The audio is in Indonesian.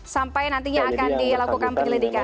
sampai nantinya akan dilakukan penyelidikan